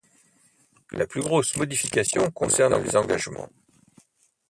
La plus grosse modification concerne les engagements.